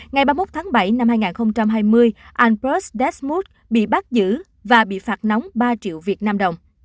ngày ba mươi một tháng bảy năm hai nghìn hai mươi alpers desmood bị bắt giữ và bị phạt nóng ba triệu việt nam đồng